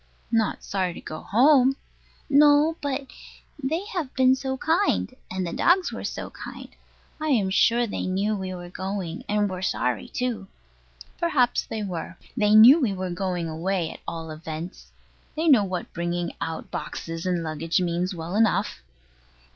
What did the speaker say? Not sorry to go home? No, but They have been so kind; and the dogs were so kind. I am sure they knew we were going, and were sorry too. Perhaps they were. They knew we were going away, at all events. They know what bringing out boxes and luggage means well enough.